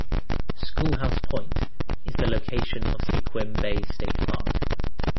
Schoolhouse Point is the location of Sequim Bay State Park.